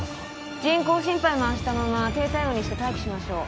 人工心肺回したまま低体温にして待機しましょう